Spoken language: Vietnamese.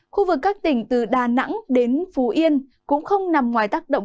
khu vực các tỉnh từ đà nẵng đến phú yên cũng không nằm ngoài tác động